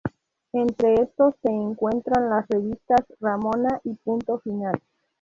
Entre estos se encuentran: las revistas "Ramona" y "Punto Final".